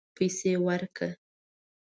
پیسې ورکړه